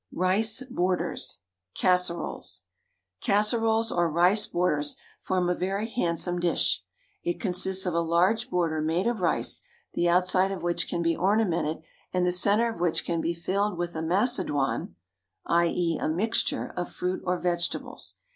RICE BORDERS (CASSEROLES). Casseroles, or rice borders, form a very handsome dish. It consists of a large border made of rice, the outside of which can be ornamented and the centre of which can be filled with a macedoine (i.e., a mixture) of fruit or vegetables.